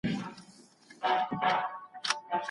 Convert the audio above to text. هغه کولای سي زیاته ډوډۍ ماڼۍ ته یوسي، که وړل یې اسانه وي.